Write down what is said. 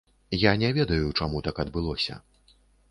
Я не ведаю, чаму так адбылося.